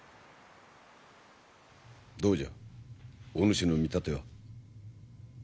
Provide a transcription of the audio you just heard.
どうじゃお主の見立ては。